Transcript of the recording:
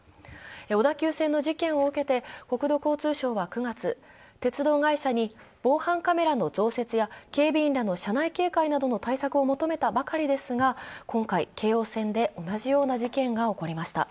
小田急線の事件を受けて国土交通省は９月、鉄道会社に防犯カメラの増設や警備員らの車内警戒の対策を求めたばかりですが、今回、京王線で同じような事件が起きました。